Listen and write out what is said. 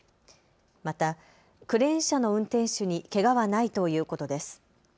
またクレーン車の運転手にけがはないということです。